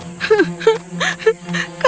hanya itu yang membuatnya marah